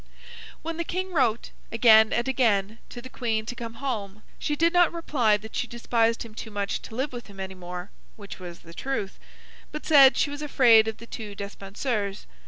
When the King wrote, again and again, to the Queen to come home, she did not reply that she despised him too much to live with him any more (which was the truth), but said she was afraid of the two Despensers.